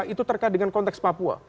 itu terkait dengan konteks papua